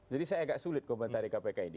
jadi saya agak sulit komentari kpk ini